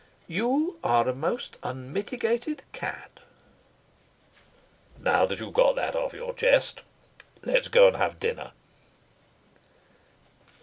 "You are a most unmitigated cad." "Now that you've got that off your chest, let's go and have dinner."